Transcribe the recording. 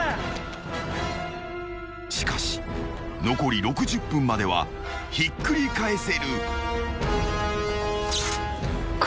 ［しかし残り６０分まではひっくり返せる］